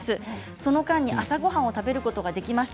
その間に朝ごはんを食べることができました。